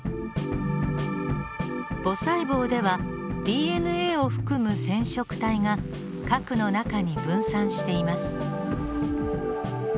母細胞ではＤＮＡを含む染色体が核の中に分散しています。